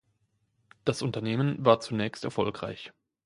Das Unternehmen war zunächst erfolgreich.